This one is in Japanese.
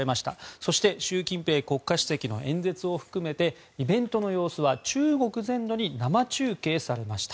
そして習近平国家主席の演説を含めてイベントの様子は中国全土に生中継されました。